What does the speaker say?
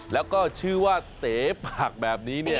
แล้วก็ชื่อว่าเต๋ผักแบบนี้เนี่ย